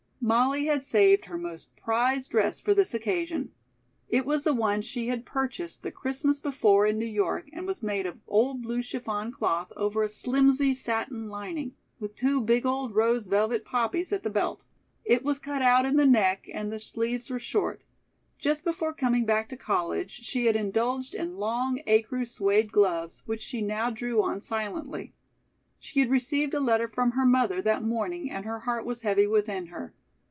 Molly had saved her most prized dress for this occasion. It was the one she had purchased the Christmas before in New York and was made of old blue chiffon cloth over a "slimsy" satin lining, with two big old rose velvet poppies at the belt. It was cut out in the neck and the sleeves were short. Just before coming back to college, she had indulged in long ecru suède gloves, which she now drew on silently. She had received a letter from her mother that morning and her heart was heavy within her.